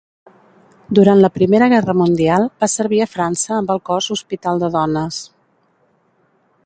Durant la Primera Guerra Mundial va servir a França amb el Cos Hospital de Dones.